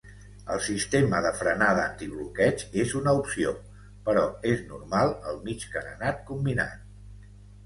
El sistema de frenada antibloqueig és una opció, però és normal el mig carenat combinat.